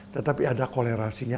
tetapi ada kolerasinya